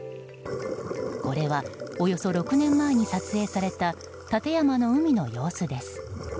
これはおよそ６年前に撮影された舘山の海の様子です。